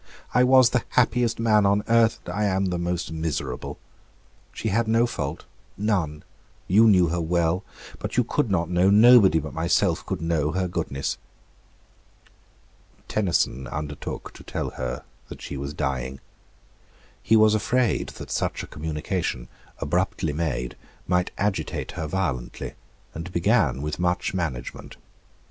"I was the happiest man on earth; and I am the most miserable. She had no fault; none; you knew her well; but you could not know, nobody but myself could know, her goodness." Tenison undertook to tell her that she was dying. He was afraid that such a communication, abruptly made, might agitate her violently, and began with much management.